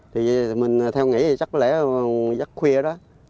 thì mình theo nghĩ thì chắc lẽ chắc khuya đó